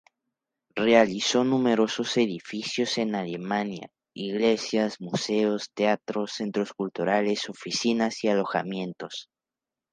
Realizó numerosos edificios en Alemania: iglesias, museos, teatros, centros culturales, oficinas y alojamientos.